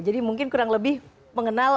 jadi mungkin kurang lebih mengenal